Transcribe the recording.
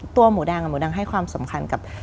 ตัวหมูดังหมูดังให้ความสำคัญกับ